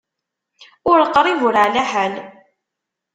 Ur qṛib, ur ɛla ḥal!